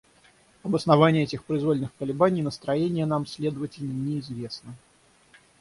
Обоснование этих произвольных колебаний настроения нам, следовательно, неизвестно.